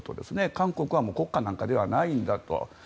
韓国は国家なんかではないんだと。